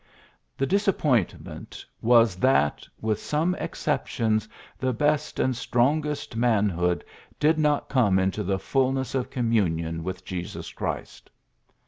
The dis appointment ^' was that, with some ex ceptions, the best and strongest manhood did not come into the fulness of com munion with Jesus Christ."